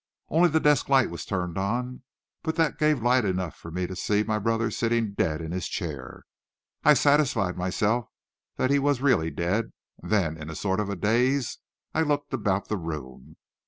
"Only the desk light was turned on, but that gave light enough for me to see my brother sitting dead in his chair. I satisfied myself that he was really dead, and then, in a sort of daze, I looked about the room.